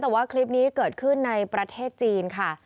แต่ว่าคลิปนี้เกิดขึ้นในประเทศจีนค่ะ